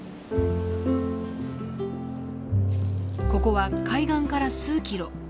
ここは海岸から数キロ。